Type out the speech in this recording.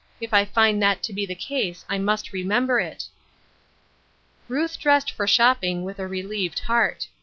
If I find that to be the case I must remember it." Ruth dressed for shopping with a relieved heart.